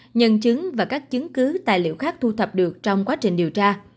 cơ quan nhận chứng và các chứng cứ tài liệu khác thu thập được trong quá trình điều tra